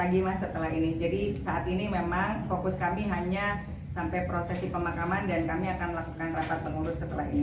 pagi mas setelah ini jadi saat ini memang fokus kami hanya sampai prosesi pemakaman dan kami akan melakukan rapat pengurus setelah ini